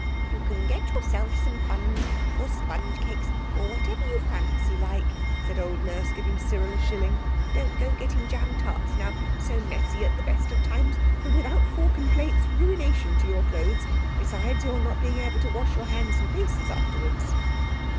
"You can get yourselves some buns or sponge cakes, or whatever you fancy like," said old Nurse, giving Cyril a shilling. "Don't go getting jam tarts, now—so messy at the best of times, and without forks and plates ruination to your clothes, besides your not being able to wash your hands and faces afterwards."